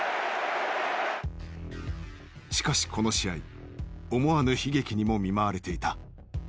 しかしこの試合思わぬ悲劇にも見舞われていた。